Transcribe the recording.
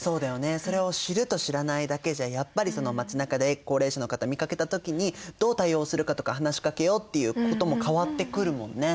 それを知ると知らないだけじゃやっぱり街なかで高齢者の方見かけた時にどう対応するかとか話しかけようっていうことも変わってくるもんね。